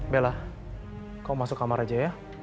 bella kau masuk kamar aja ya